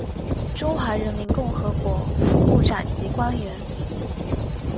中华人民共和国副部长级官员。